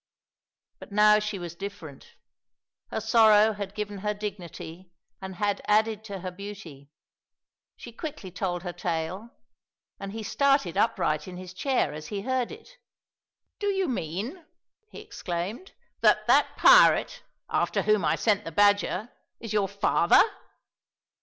But now she was different. Her sorrow had given her dignity and had added to her beauty. She quickly told her tale, and he started upright in his chair as he heard it. "Do you mean," he exclaimed, "that that pirate, after whom I sent the Badger, is your father?